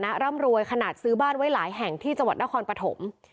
สถานะร่ำรวยขนาดซื้อบ้านไว้หลายแห่งที่จังหวันต้อนนามันประทม